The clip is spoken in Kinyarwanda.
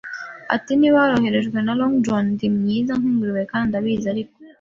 Ati: "Niba waroherejwe na Long John," Ndi mwiza nk'ingurube, kandi ndabizi. Ariko